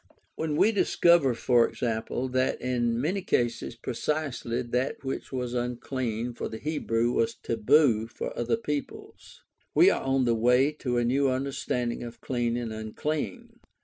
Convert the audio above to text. When we discover, e.g., that in many cases precisely that which was "unclean" for the Hebrew was "taboo" for other peoples, we are on the way to a new understanding of "clean and unclean."